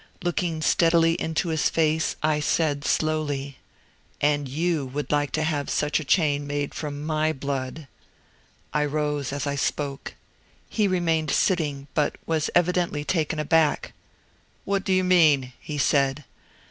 Looking steadily into his face, I said slowly: "And you would like to have such a chain made from my blood." I rose as I spoke. He remained sitting, but was evidently taken aback. "What do you mean?" he said.